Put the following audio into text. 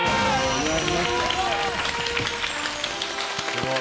すごい。